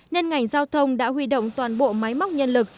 nên ngành giao thông đã huy động toàn bộ máy móc nhân lực